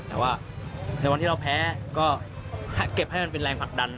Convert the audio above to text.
แต่ว่าในวันที่เราแพ้ก็เก็บให้มันเป็นแรงผลักดัน